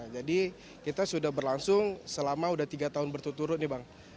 jadi kita sudah berlangsung selama sudah tiga tahun berturut turut nih bang